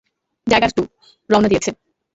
Dagger two, রওনা দিয়েছে।